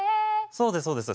そうですそうです。